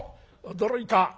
驚いた。